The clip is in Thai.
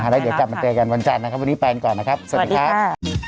แล้วเดี๋ยวกลับมาเจอกันวันจันทร์นะครับวันนี้ไปกันก่อนนะครับสวัสดีครับ